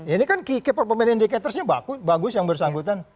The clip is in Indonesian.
ini kan key performance indicatorsnya bagus yang bersangkutan